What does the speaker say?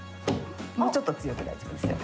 もうちょっと強く大丈夫ですよ。